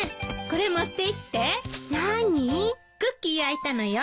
クッキー焼いたのよ。